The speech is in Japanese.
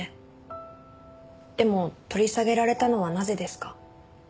でも取り下げられたのはなぜですか？